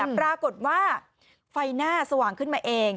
ปรากฏว่าไฟหน้าสว่างขึ้นมาเอง